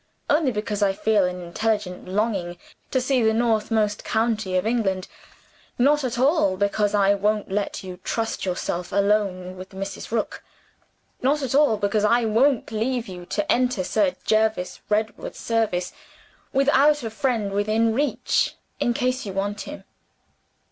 Only because I feel an intelligent longing to see the northernmost county of England not at all because I won't let you trust yourself alone with Mrs. Rook! Not at all because I won't leave you to enter Sir Jervis Redwood's service without a friend within reach in case you want him!